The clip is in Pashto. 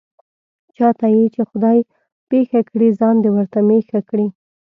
چاته یې چې خدای پېښه کړي، ځان دې ورته مېښه کړي.